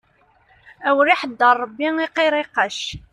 Awer iḥeddaṛ Ṛebbi i qiriqac.